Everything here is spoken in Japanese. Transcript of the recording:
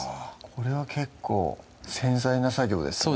これは結構繊細な作業ですね